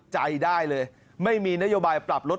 ใจได้เลยไม่มีนโยบายปรับลด